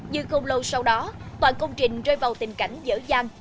nhưng không lâu sau đó toàn công trình rơi vào tình cảnh dở dàng